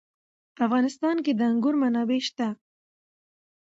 په افغانستان کې د انګور منابع شته.